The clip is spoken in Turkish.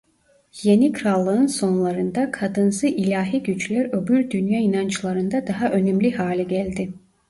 Yeni Krallık'ın sonlarında kadınsı ilahi güçler öbür dünya inançlarında daha önemli hale geldi.